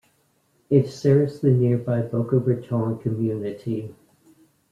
It serves the nearby Boca Raton community.